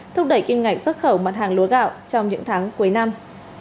thúc đẩy kim ngạch xuất khẩu mặt hàng lúa gạo trong những tháng cuối năm